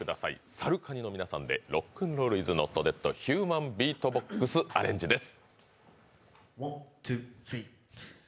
ＳＡＲＵＫＡＮＩの皆さんで「ロックンロールイズノットデッド」ヒューマンビートボックスアレンジです。